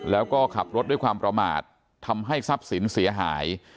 แล้วก็ขับรถด้วยความประมาททำให้ทรัพย์สินเสียหาย